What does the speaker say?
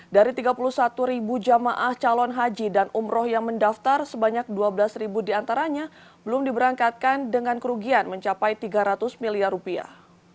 dari tiga puluh satu ribu jamaah calon haji dan umroh yang mendaftar sebanyak dua belas diantaranya belum diberangkatkan dengan kerugian mencapai tiga ratus miliar rupiah